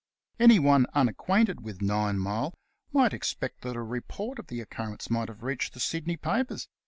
Anyone unacquainted with Ninemile might expect that a report of the occurrence would have reached the Sydney papers.